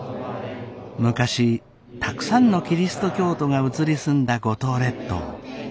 昔たくさんのキリスト教徒が移り住んだ五島列島。